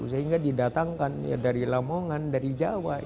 sehingga didatangkan ya dari lamongan dari jawa